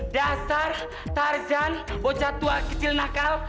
dasar tarjan bocah tua kecil nakal